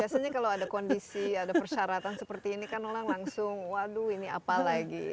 biasanya kalau ada kondisi ada persyaratan seperti ini kan orang langsung waduh ini apa lagi